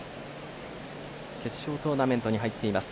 決勝トーナメントに入っています。